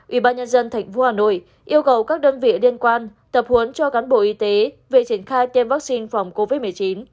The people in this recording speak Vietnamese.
ủy ban nhân dân tp hà nội yêu cầu các đơn vị liên quan tập huấn cho cán bộ y tế về triển khai tiêm vaccine phòng covid một mươi chín